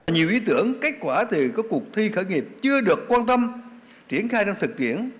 nhiều ý tưởng kết quả từ các cuộc thi khởi nghiệp chưa được quan tâm triển khai trong thực tiễn